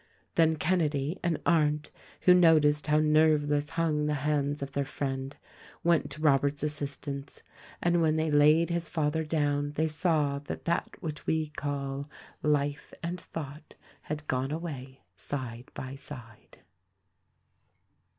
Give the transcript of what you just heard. Then Kenedy and Arndt, who noticed how nerveless hung the hands of their friend, went to Robert's assistance ; and when they laid his father down they saw that that which we call "Life and Thought had gone away, side by side."